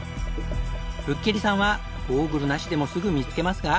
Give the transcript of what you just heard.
吹切さんはゴーグルなしでもすぐ見つけますが。